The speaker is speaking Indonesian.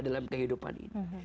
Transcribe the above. dalam kehidupan ini